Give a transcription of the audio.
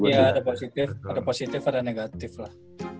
iya ada positif ada negatif lah